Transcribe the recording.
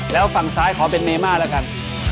แล้วฝั่งซ้ายขอเป็นเมม่าแล้วกัน